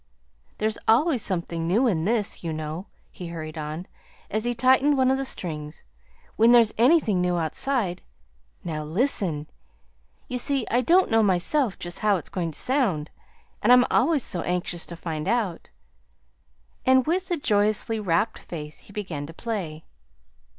"There's always something new in this, you know," he hurried on, as he tightened one of the strings, "when there's anything new outside. Now, listen! You see I don't know myself just how it's going to sound, and I'm always so anxious to find out." And with a joyously rapt face he began to play.